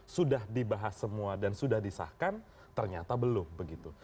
sudah dibahas semua dan sudah disahkan ternyata belum begitu